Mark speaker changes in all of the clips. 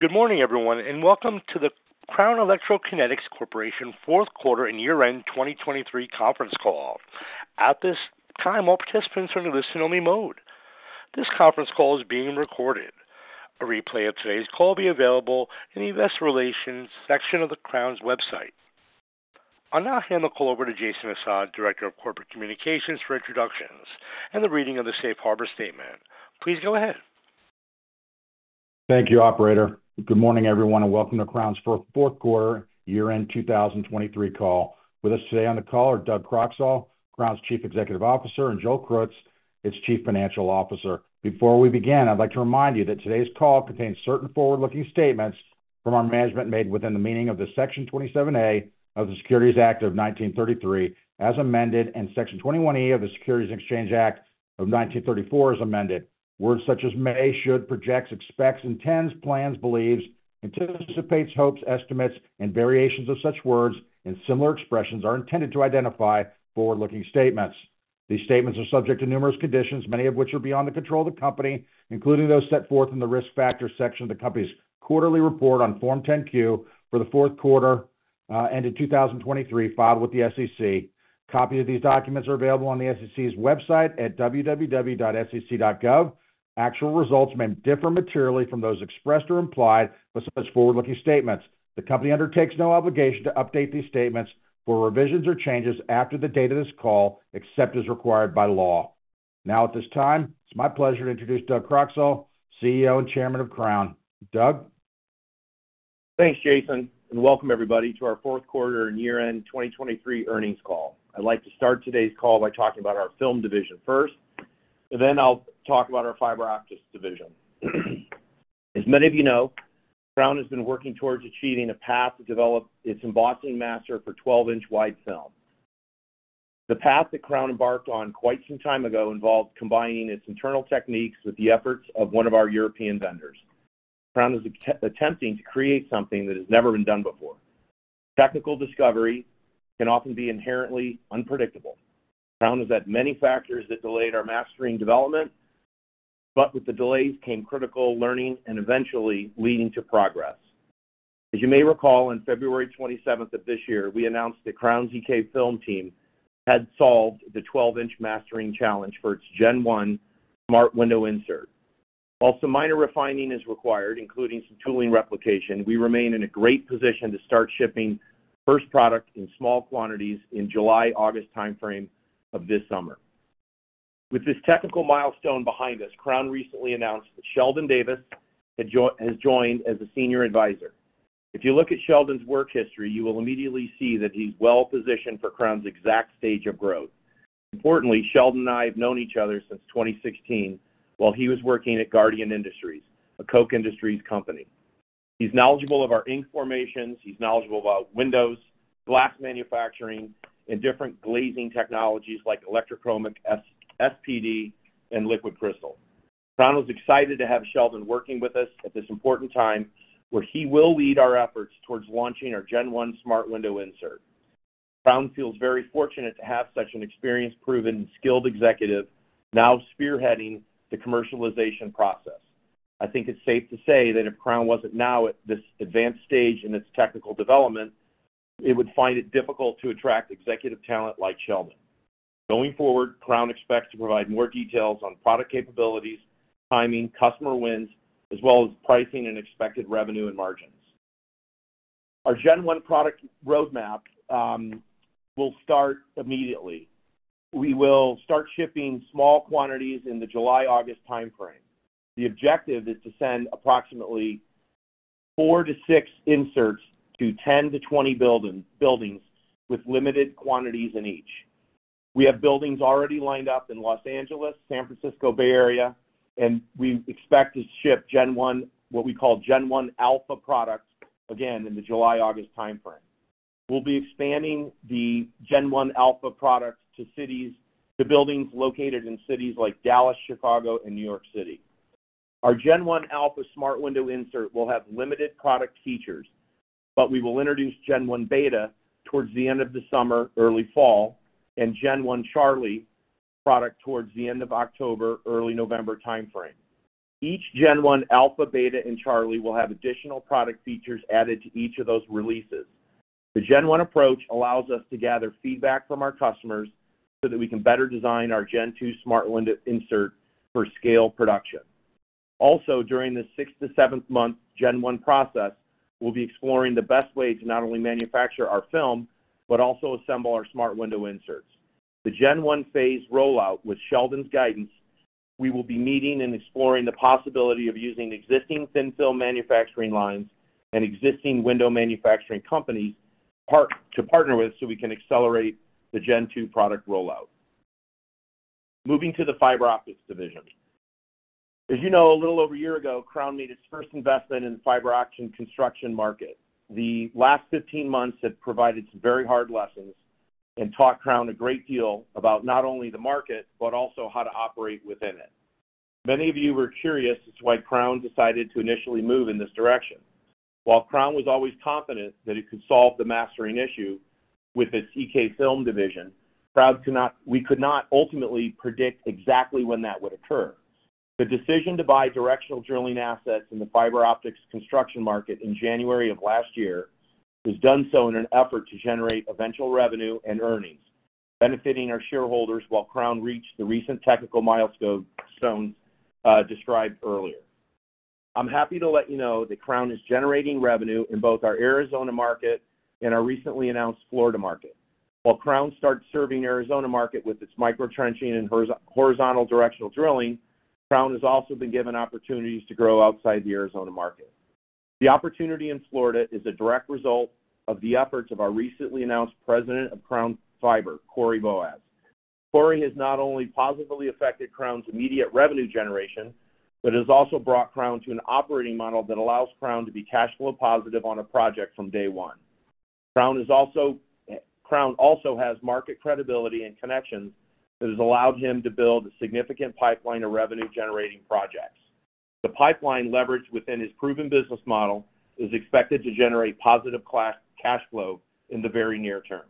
Speaker 1: Good morning, everyone, and welcome to the Crown Electrokinetics Corporation fourth quarter and year-end 2023 conference call. At this time, all participants are in listen-only mode. This conference call is being recorded. A replay of today's call will be available in the Investor Relations section of the Crown's website. I'll now hand the call over to Jason Assad, Director of Corporate Communications, for introductions and the reading of the Safe Harbor statement. Please go ahead.
Speaker 2: Thank you, operator. Good morning, everyone, and welcome to Crown's fourth quarter year-end 2023 call. With us today on the call are Doug Croxall, Crown's Chief Executive Officer, and Joel Krutz, its Chief Financial Officer. Before we begin, I'd like to remind you that today's call contains certain forward-looking statements from our management made within the meaning of the Section 27A of the Securities Act of 1933, as amended, and Section 21E of the Securities and Exchange Act of 1934, as amended. Words such as may, should, projects, expects, intends, plans, believes, anticipates, hopes, estimates, and variations of such words and similar expressions are intended to identify forward-looking statements. These statements are subject to numerous conditions, many of which are beyond the control of the company, including those set forth in the Risk Factors section of the company's quarterly report on Form 10-Q for the fourth quarter ended 2023, filed with the SEC. Copies of these documents are available on the SEC's website at www.sec.gov. Actual results may differ materially from those expressed or implied with such forward-looking statements. The company undertakes no obligation to update these statements for revisions or changes after the date of this call, except as required by law. Now, at this time, it's my pleasure to introduce Doug Croxall, CEO and Chairman of Crown. Doug? Thanks, Jason, and welcome everybody to our fourth quarter and year-end 2023 earnings call. I'd like to start today's call by talking about our film division first, and then I'll talk about our fiber optics division. As many of you know, Crown has been working towards achieving a path to develop its embossing master for 12-inch wide film. The path that Crown embarked on quite some time ago involved combining its internal techniques with the efforts of one of our European vendors. Crown is attempting to create something that has never been done before. Technical discovery can often be inherently unpredictable. Crown has had many factors that delayed our mastering development, but with the delays came critical learning and eventually leading to progress.
Speaker 3: As you may recall, on February 27 of this year, we announced the Crown EK Film team had solved the 12-inch mastering challenge for its Gen 1 Smart Window Insert. While some minor refining is required, including some tooling replication, we remain in a great position to start shipping first product in small quantities in July, August timeframe of this summer. With this technical milestone behind us, Crown recently announced that Sheldon Davis has joined as a Senior Advisor. If you look at Sheldon's work history, you will immediately see that he's well positioned for Crown's exact stage of growth. Importantly, Sheldon and I have known each other since 2016, while he was working at Guardian Industries, a Koch Industries company. He's knowledgeable of our ink formulations, he's knowledgeable about windows, glass manufacturing, and different glazing technologies like Electrochromic SPD and liquid crystal. Crown was excited to have Sheldon working with us at this important time, where he will lead our efforts towards launching our Gen 1 Smart Window Insert. Crown feels very fortunate to have such an experienced, proven, and skilled executive now spearheading the commercialization process. I think it's safe to say that if Crown wasn't now at this advanced stage in its technical development, it would find it difficult to attract executive talent like Sheldon. Going forward, Crown expects to provide more details on product capabilities, timing, customer wins, as well as pricing and expected revenue and margins. Our Gen 1 product roadmap will start immediately. We will start shipping small quantities in the July, August timeframe. The objective is to send approximately 4-6 Inserts to 10-20 buildings, with limited quantities in each. We have buildings already lined up in Los Angeles, San Francisco Bay Area, and we expect to ship Gen 1, what we call Gen 1 Alpha products, again in the July, August timeframe. We'll be expanding the Gen 1 Alpha products to cities... to buildings located in cities like Dallas, Chicago, and New York City. Our Gen 1 Alpha Smart Window Insert will have limited product features, but we will introduce Gen 1 Beta towards the end of the summer, early fall, and Gen 1 Charlie product towards the end of October, early November timeframe. Each Gen 1 Alpha, Beta, and Charlie will have additional product features added to each of those releases. The Gen 1 approach allows us to gather feedback from our customers, so that we can better design our Gen 2 Smart Window Insert for scale production. Also, during this 6th to 7th-month Gen 1 process, we'll be exploring the best way to not only manufacture our film, but also assemble our smart window inserts. The Gen 1 phase rollout, with Sheldon's guidance, we will be meeting and exploring the possibility of using existing thin film manufacturing lines and existing window manufacturing companies, to partner with, so we can accelerate the Gen 2 product rollout. Moving to the fiber optics division. As you know, a little over a year ago, Crown made its first investment in the fiber optic construction market. The last 15 months have provided some very hard lessons and taught Crown a great deal about not only the market, but also how to operate within it. Many of you were curious as to why Crown decided to initially move in this direction. While Crown was always confident that it could solve the mastering issue with its EK Film division, Crown could not, we could not ultimately predict exactly when that would occur. The decision to buy directional drilling assets in the fiber optics construction market in January of last year was done so in an effort to generate eventual revenue and earnings, benefiting our shareholders while Crown reached the recent technical milestones described earlier. I'm happy to let you know that Crown is generating revenue in both our Arizona market and our recently announced Florida market. While Crown starts serving Arizona market with its micro trenching and horizontal directional drilling, Crown has also been given opportunities to grow outside the Arizona market. The opportunity in Florida is a direct result of the efforts of our recently announced President of Crown Fiber, Corey Boaz. Corey has not only positively affected Crown's immediate revenue generation, but has also brought Crown to an operating model that allows Crown to be cash flow positive on a project from day one. Crown is also, Crown also has market credibility and connections that has allowed him to build a significant pipeline of revenue-generating projects. The pipeline leverage within his proven business model is expected to generate positive cash flow in the very near term.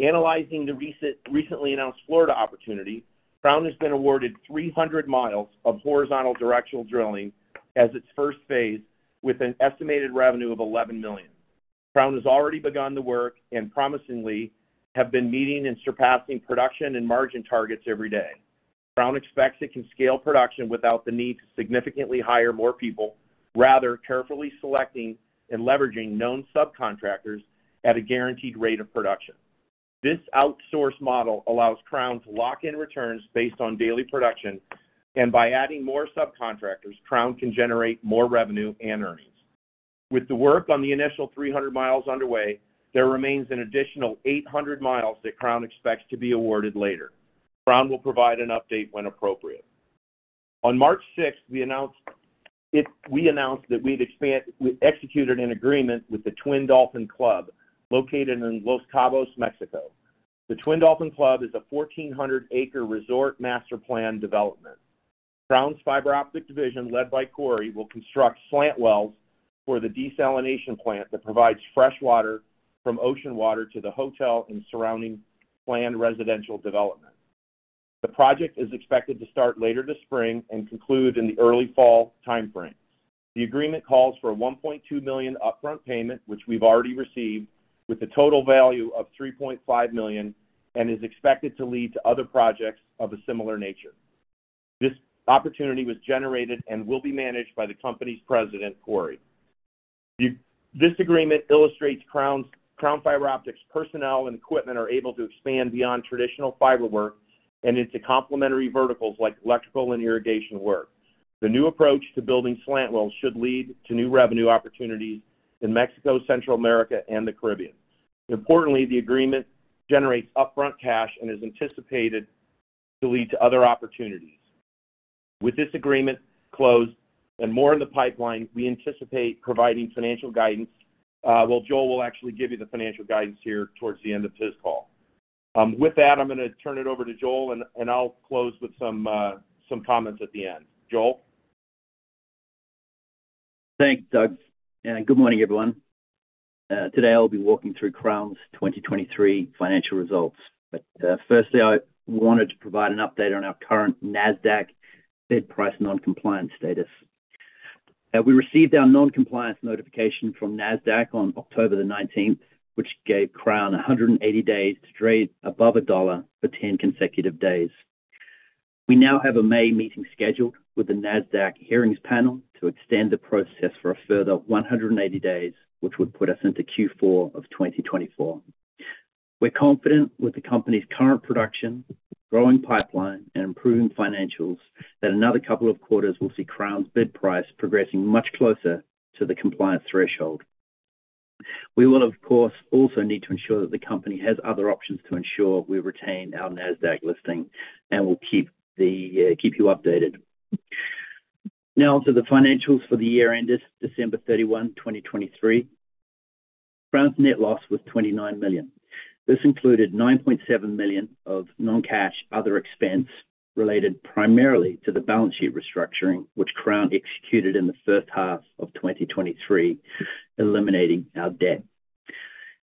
Speaker 3: Analyzing the recently announced Florida opportunity, Crown has been awarded 300 miles of horizontal directional drilling as its first phase, with an estimated revenue of $11 million. Crown has already begun the work and promisingly, have been meeting and surpassing production and margin targets every day. Crown expects it can scale production without the need to significantly hire more people, rather carefully selecting and leveraging known subcontractors at a guaranteed rate of production. This outsource model allows Crown to lock in returns based on daily production, and by adding more subcontractors, Crown can generate more revenue and earnings. With the work on the initial 300 miles underway, there remains an additional 800 miles that Crown expects to be awarded later. Crown will provide an update when appropriate. On March sixth, we executed an agreement with the Twin Dolphin Club, located in Los Cabos, Mexico. The Twin Dolphin Club is a 1,400-acre resort master plan development. Crown's fiber optic division, led by Corey, will construct slant wells for the desalination plant that provides fresh water from ocean water to the hotel and surrounding planned residential development. The project is expected to start later this spring and conclude in the early fall timeframe. The agreement calls for a $1.2 million upfront payment, which we've already received, with a total value of $3.5 million, and is expected to lead to other projects of a similar nature. This opportunity was generated and will be managed by the company's president, Corey. This agreement illustrates Crown's, Crown Fiber Optics' personnel and equipment are able to expand beyond traditional fiber work and into complementary verticals like electrical and irrigation work. The new approach to building slant wells should lead to new revenue opportunities in Mexico, Central America, and the Caribbean. Importantly, the agreement generates upfront cash and is anticipated to lead to other opportunities. With this agreement closed and more in the pipeline, we anticipate providing financial guidance. Well, Joel will actually give you the financial guidance here towards the end of his call. With that, I'm gonna turn it over to Joel, and, and I'll close with some some comments at the end. Joel?
Speaker 4: Thanks, Doug, and good morning, everyone. Today I'll be walking through Crown's 2023 financial results. But, firstly, I wanted to provide an update on our current Nasdaq bid price non-compliance status. We received our non-compliance notification from Nasdaq on October the nineteenth, which gave Crown 180 days to trade above $1 for 10 consecutive days. We now have a May meeting scheduled with the Nasdaq hearings panel to extend the process for a further 180 days, which would put us into Q4 of 2024. We're confident with the company's current production, growing pipeline, and improving financials, that another couple of quarters will see Crown's bid price progressing much closer to the compliance threshold. We will, of course, also need to ensure that the company has other options to ensure we retain our Nasdaq listing, and we'll keep the, keep you updated. Now to the financials for the year ended December 31, 2023. Crown's net loss was $29 million. This included $9.7 million of non-cash other expense, related primarily to the balance sheet restructuring, which Crown executed in the first half of 2023, eliminating our debt.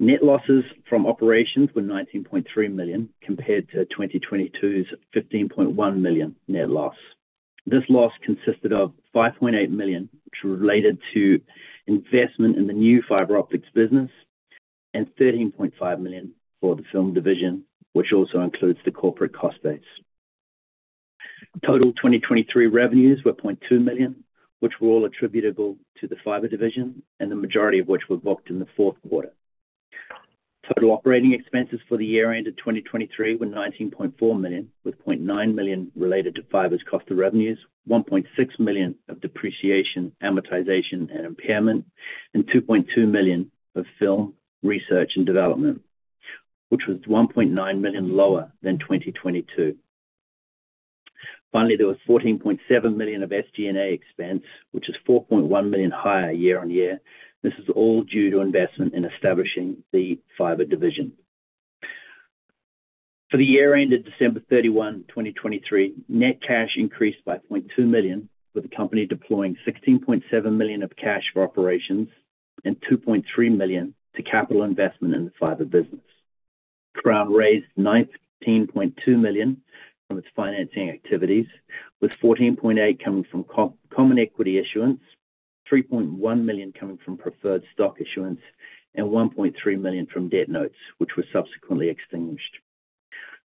Speaker 4: Net losses from operations were $19.3 million, compared to 2022's $15.1 million net loss. This loss consisted of $5.8 million, which related to investment in the new fiber optics business, and $13.5 million for the film division, which also includes the corporate cost base. Total 2023 revenues were $0.2 million, which were all attributable to the fiber division, and the majority of which were booked in the fourth quarter. Total operating expenses for the year ended 2023 were $19.4 million, with $0.9 million related to fiber's cost of revenues, $1.6 million of depreciation, amortization, and impairment, and $2.2 million of film, research, and development, which was $1.9 million lower than 2022. Finally, there was $14.7 million of SG&A expense, which is $4.1 million higher year-on-year. This is all due to investment in establishing the fiber division... For the year ended December 31, 2023, net cash increased by $0.2 million, with the company deploying $16.7 million of cash for operations and $2.3 million to capital investment in the fiber business. Crown raised $9.2 million from its financing activities, with $14.8 million coming from common equity issuance, $3.1 million coming from preferred stock issuance, and $1.3 million from debt notes, which were subsequently extinguished.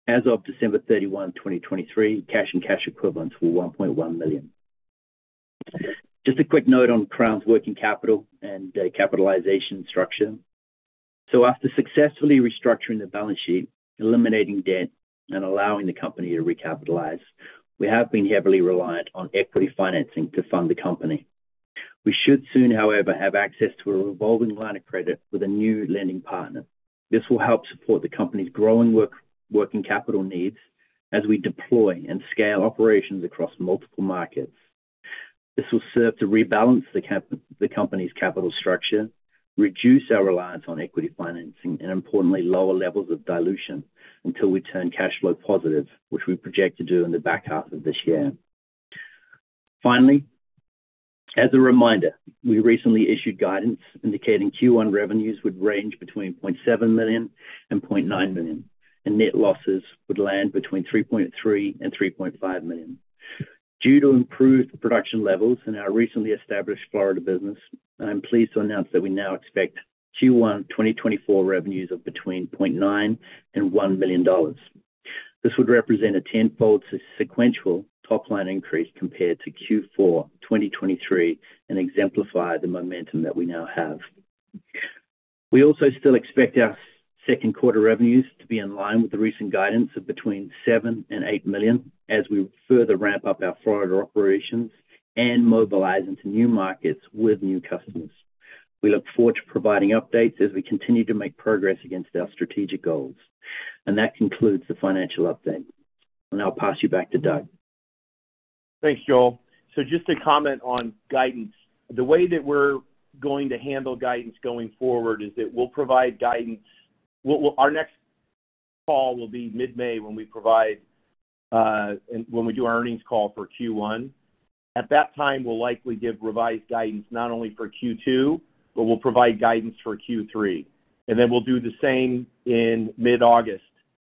Speaker 4: As of December 31, 2023, cash and cash equivalents were $1.1 million. Just a quick note on Crown's working capital and capitalization structure. So after successfully restructuring the balance sheet, eliminating debt, and allowing the company to recapitalize, we have been heavily reliant on equity financing to fund the company. We should soon, however, have access to a revolving line of credit with a new lending partner. This will help support the company's growing working capital needs as we deploy and scale operations across multiple markets. This will serve to rebalance the capital structure, reduce our reliance on equity financing, and importantly, lower levels of dilution until we turn cash flow positive, which we project to do in the back half of this year. Finally, as a reminder, we recently issued guidance indicating Q1 revenues would range between $0.7 million and $0.9 million, and net losses would land between $3.3 million and $3.5 million. Due to improved production levels in our recently established Florida business, I'm pleased to announce that we now expect Q1 2024 revenues of between $0.9 million and $1 million. This would represent a tenfold sequential top-line increase compared to Q4 2023 and exemplify the momentum that we now have. We also still expect our second quarter revenues to be in line with the recent guidance of between $7 million and $8 million as we further ramp up our Florida operations and mobilize into new markets with new customers. We look forward to providing updates as we continue to make progress against our strategic goals. That concludes the financial update, and I'll pass you back to Doug.
Speaker 3: Thanks, Joel. So just to comment on guidance, the way that we're going to handle guidance going forward is that we'll provide guidance. Our next call will be mid-May, when we provide and when we do our earnings call for Q1. At that time, we'll likely give revised guidance, not only for Q2, but we'll provide guidance for Q3. And then we'll do the same in mid-August.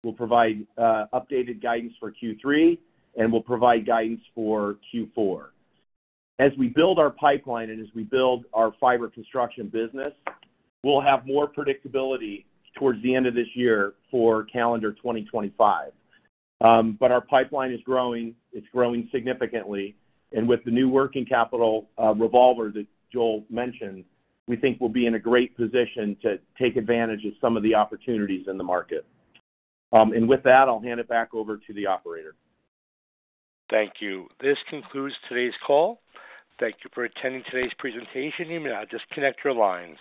Speaker 3: We'll provide updated guidance for Q3, and we'll provide guidance for Q4. As we build our pipeline and as we build our fiber construction business, we'll have more predictability towards the end of this year for calendar 2025. But our pipeline is growing, it's growing significantly, and with the new working capital revolver that Joel mentioned, we think we'll be in a great position to take advantage of some of the opportunities in the market. With that, I'll hand it back over to the operator.
Speaker 1: Thank you. This concludes today's call. Thank you for attending today's presentation. You may now disconnect your lines.